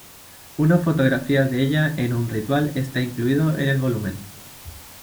Una fotografía de ella en un ritual está incluido en el volumen.